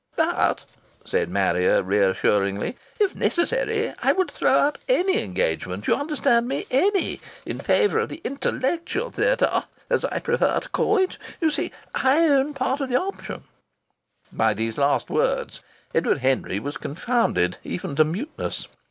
"But," said Marrier, reassuringly, "if necessary I would throw up any engagement you understand me, any in favour of The Intellectual Theatah as I prefer to call it. You see, as I own part of the option " By these last words Edward Henry was confounded, even to muteness.